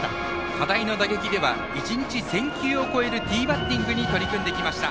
課題の打撃では１日１０００球を超えるティーバッティングに取り組んできました。